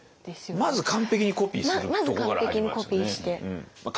まず完璧にコピーするとこから入りますね。